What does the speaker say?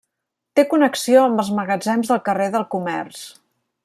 Té connexió amb els magatzems del carrer del Comerç.